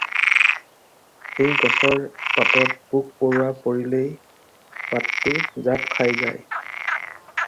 এই গছৰ পাতত পোক পৰুৱা পৰিলেই পাতটো জাপ খাই যায়।